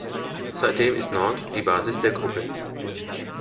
Seitdem ist Nantes die Basis der Gruppe.